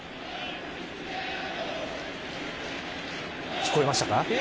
聞こえましたか。